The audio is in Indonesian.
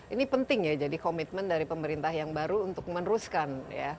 ini penting ya jadi komitmen dari pemerintah yang baru untuk meneruskan